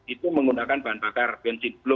itu menggunakan bahan bakar benzine